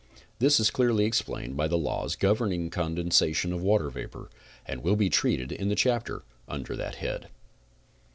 This is clearly explained by the laws governing condensation of water vapor, and will be treated in the chapter under that head.